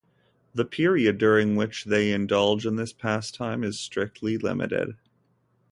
The period during which they indulge in this pastime is strictly limited.